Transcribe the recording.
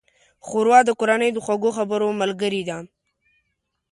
ښوروا د کورنۍ د خوږو خبرو ملګرې ده.